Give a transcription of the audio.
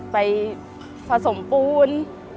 ไปผสมปูน